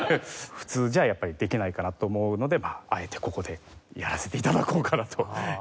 普通じゃやっぱりできないかなと思うのであえてここでやらせて頂こうかなと思って。